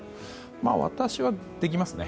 私はできますね。